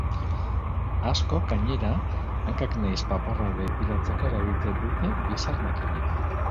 Askok gainera, hankak nahiz paparra depilatzeko erabiltzen dute bizar-makina.